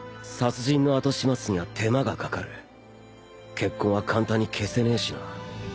血痕は簡単に消せねえしな。